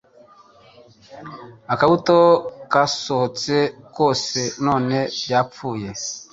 Akabuto kasohotse kose none byapfuye